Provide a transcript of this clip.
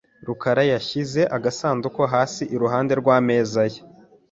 rukara yashyize agasanduku hasi iruhande rw'ameza ye .